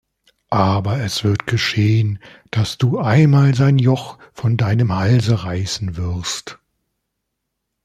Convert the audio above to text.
Aber es wird geschehen, daß du einmal sein Joch von deinem Halse reißen wirst.